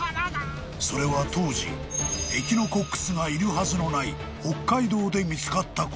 ［それは当時エキノコックスがいるはずのない北海道で見つかったこと］